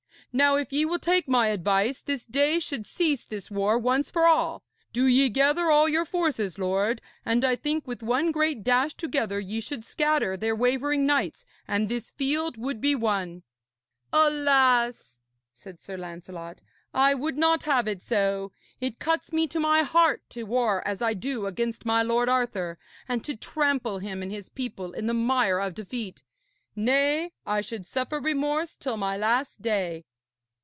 Now, if ye will take my advice, this day should cease this war once for all. Do ye gather all your forces, lord, and I think with one great dash together ye should scatter their wavering knights, and this field would be won.' 'Alas!' said Sir Lancelot, 'I would not have it so. It cuts me to my heart to war as I do against my lord Arthur, and to trample him and his people in the mire of defeat nay, I should suffer remorse till my last day.'